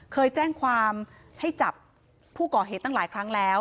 เคยแจ้งความให้จับผู้ก่อเหตุตั้งหลายครั้งแล้ว